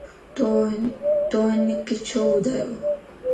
تو ھنک ڇو ٻڌايووَ؟